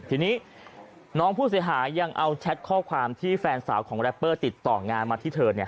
ทีนี้น้องผู้เสียหายยังเอาแชทข้อความที่แฟนสาวของแรปเปอร์ติดต่องานมาที่เธอเนี่ย